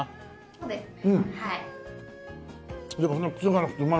そうですね。